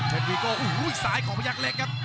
เผ็ดวิโกโอ้โหสายของพระยักษ์เล็กครับ